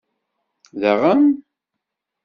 Daɣen?